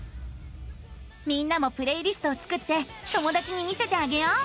みんなもプレイリストを作って友だちに見せてあげよう。